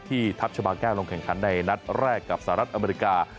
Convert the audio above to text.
ทัพชาบาแก้วลงแข่งขันในนัดแรกกับสหรัฐอเมริกา